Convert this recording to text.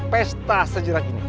pesta sejarah ini